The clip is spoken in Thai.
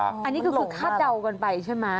อันนี้ก็คือคาดเดากันไปใช่ไหม